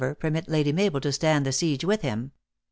409 permit Lady Mabel to stand the siege with him.